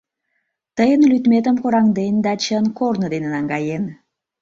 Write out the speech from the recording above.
Тыйын лӱдметым кораҥден да чын корно дене наҥгаен.